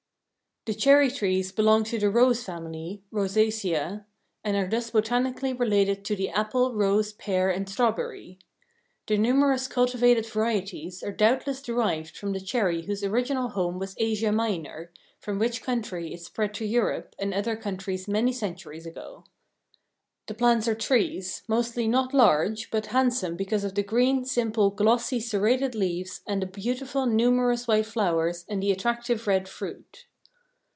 The cherry trees belong to the Rose family (Rosaceae) and are thus botanically related to the apple, rose, pear and strawberry. The numerous cultivated varieties are doubtless derived from the cherry whose original home was Asia Minor, from which country it spread to Europe and other countries many centuries ago. The plants are trees, mostly not large but handsome because of the green, simple, glossy serrated leaves and the beautiful numerous white flowers and the attractive red fruit.